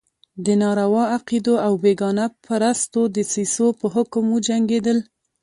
د ناروا عقدو او بېګانه پرستو دسیسو په حکم وجنګېدل.